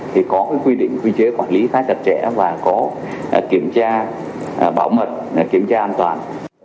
thì có cái quy định quy chế quản lý khá chặt chẽ và có kiểm tra bảo mật kiểm tra an toàn